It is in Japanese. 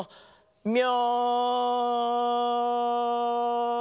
みょ。